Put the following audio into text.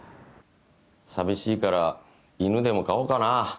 寂しいから犬でも飼おうかな。